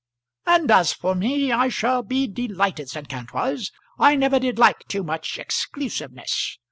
"And as for me, I shall be delighted," said Kantwise. "I never did like too much exclusiveness.